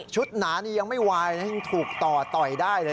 หนานี่ยังไม่วายนะยังถูกต่อต่อยได้เลย